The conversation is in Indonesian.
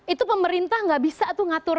itu pemerintah nggak bisa tuh ngatur